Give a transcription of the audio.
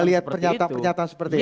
melihat pernyataan pernyataan seperti ini